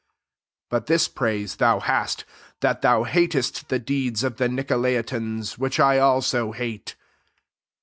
6 But this firaise thou hast, that thou hatest the deeds of the Nicol aitans, which I also hate.'